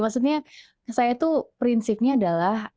maksudnya saya tuh prinsipnya adalah